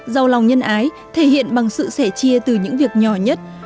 giàu lòng nhân ái thể hiện bằng sự sẻ chia từ những việc nhỏ nhất